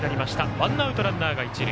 ワンアウト、ランナーが一塁。